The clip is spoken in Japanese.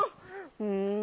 うん」。